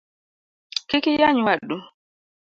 Kik iyany wadu